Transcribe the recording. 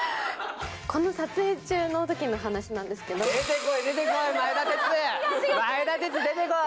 この撮影中のときの話なんで出てこい、出てこい、前田哲、前田哲、出てこい！